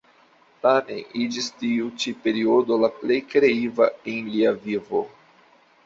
Tamen iĝis tiu ĉi periodo la plej kreiva en lia vivo.